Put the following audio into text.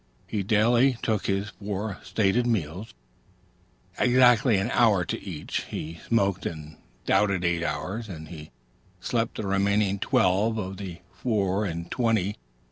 He daily took his four stated meals, appropriating exactly an hour to each; he smoked and doubted eight hours, and he slept the remaining twelve of the four and twenty.